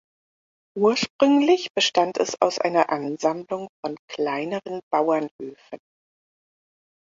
Ursprünglich bestand es aus einer Ansammlung von kleineren Bauernhöfen.